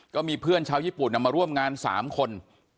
ก็มีเพื่อนชาวญี่ปุ่นมาร่วมงาน๓คน